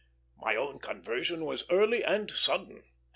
My own conversion was early and sudden.